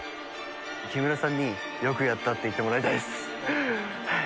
木村さんに「よくやった」って言ってもらいたいです。